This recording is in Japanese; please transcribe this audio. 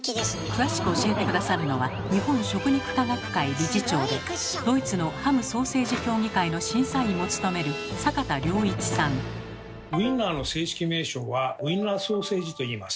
詳しく教えて下さるのは日本食肉科学会理事長でドイツのハム・ソーセージ競技会の審査員も務めるウインナーの正式名称は「ウインナーソーセージ」といいます。